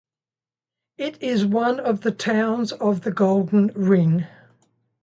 It is one of the towns of the Golden Ring.